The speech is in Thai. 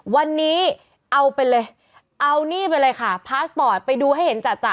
วันนี้เอาไปเลยเอานี่ไปเลยค่ะพาสปอร์ตไปดูให้เห็นจัด